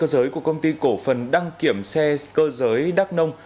cơ giới của công ty cổ phần đăng kiểm xe cơ giới đắc nông